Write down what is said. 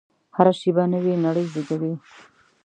هره شېبه نوې نړۍ زېږوي.